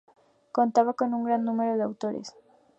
Contaba con un gran número de autores.